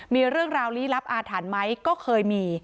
มีเรื่องราวลี้ลับอาถรรพ์ไหมก็เคยมี